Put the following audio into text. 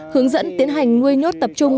hướng dẫn tiến hành nuôi nhốt tập trung